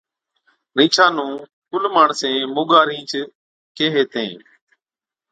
رِينڇا نُون ڪُل ماڻسين موڳا رِينڇ ڪيهي هِتين۔